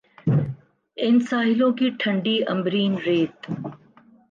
ان ساحلوں کی ٹھنڈی عنبرین ریت